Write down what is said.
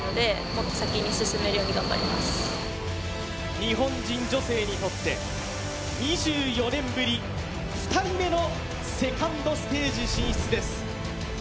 日本人女性にとって２４年ぶり２人目のセカンドステージ進出です